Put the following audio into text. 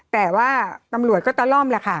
แต่ว่าตำรวจก็ตะล่อมแหละค่ะ